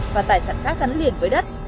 và tài sản khác gắn liền với đất